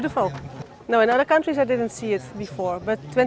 tidak di negara lain saya tidak pernah melihatnya